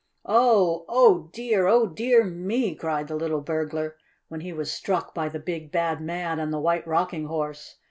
"Oh! Oh, dear! Oh, dear me!" cried the little burglar when he was struck by the big bad man and the White Rocking Horse.